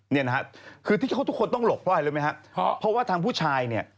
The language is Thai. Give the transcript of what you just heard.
เนี่ยนะฮะคือที่เขาทุกคนต้องหลบเพราะอะไรรู้ไหมฮะเพราะว่าทางผู้ชายเนี่ย